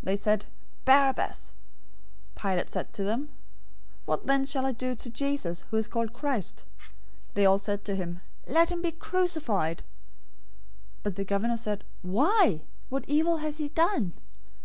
They said, "Barabbas!" 027:022 Pilate said to them, "What then shall I do to Jesus, who is called Christ?" They all said to him, "Let him be crucified!" 027:023 But the governor said, "Why? What evil has he done?"